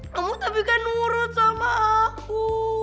kamu tapi kan nurut sama aku